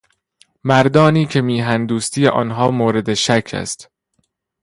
مردانی که میهن دوستی آنها مورد شک است